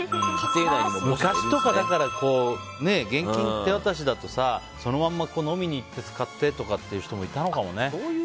昔とか、現金手渡しだとそのまま飲みに行って使ってっていう人もいたのかもね。